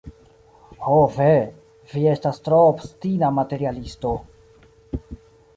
Ho ve, vi estas tro obstina materialisto.